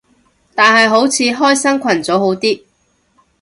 但係好似開新群組好啲